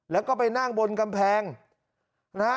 แล้วก็ไปนั่งบนกำแพงนะฮะ